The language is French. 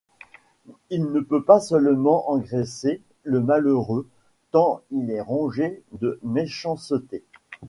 Il ne peut pas seulement engraisser, le malheureux, tant il est rongé de méchanceté.